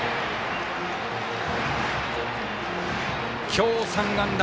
今日３安打。